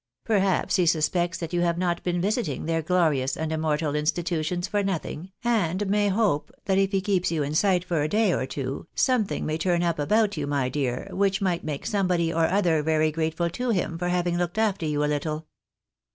Perhaps he suspects that you have not been visiting their glorious and immortal institutions for nothing, and may hope that if he keeps you in sight for a day or two, something may turn up about you, my dear, which might make somebody or other very grateful to him for having looked after you a little."